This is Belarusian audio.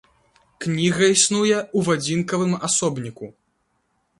Кніга існуе ў адзінкавым асобніку.